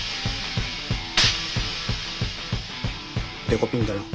デコピンだな。